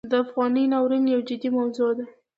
د افغانۍ ناورین یو جدي موضوع ده.